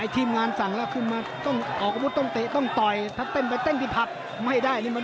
ต้องมาออกถ้าต้องต่อยจะเต้นดูดิภักด์